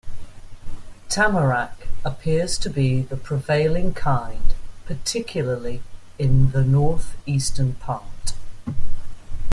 Tamarack appears to be the prevailing kind, particularly in the North-eastern part.